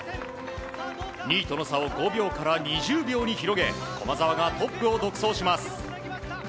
２位との差を５秒から２０秒に広げ駒澤がトップを独走します。